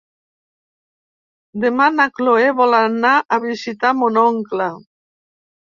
Demà na Cloè vol anar a visitar mon oncle.